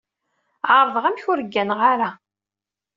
Ɛerḍeɣ amek ur gganeɣ ara.